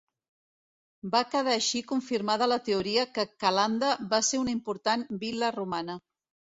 Va quedar així confirmada la teoria que Calanda va ser una important vil·la romana.